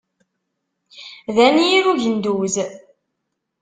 D anyir ugenduz.